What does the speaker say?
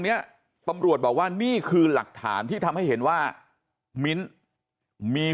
เนี้ยตำรวจบอกว่านี่คือหลักฐานที่ทำให้เห็นว่ามิ้นมี